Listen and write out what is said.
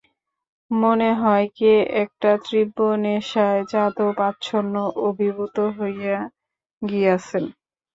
মনে হয় কী একটা তীব্র নেশায় যাদব আচ্ছন্ন, অভিভূত হইয়া গিয়াছেন।